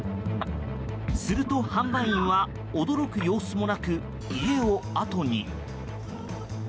すると、販売員は驚く様子もなく家を後に。